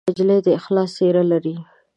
نجلۍ د اخلاص څېره لري.